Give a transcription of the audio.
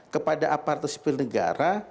kepada apartus sipil negara